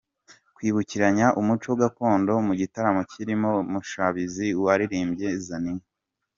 Kwibukiranya umuco gakondo mu gitaramo kirimo Mushabizi waririmbye Zaninka